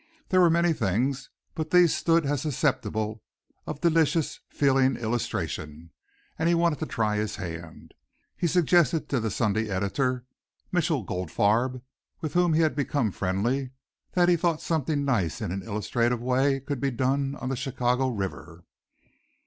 There were many things, but these stood as susceptible of delicious, feeling illustration and he wanted to try his hand. He suggested to the Sunday Editor, Mitchell Goldfarb, with whom he had become friendly, that he thought something nice in an illustrative way could be done on the Chicago River.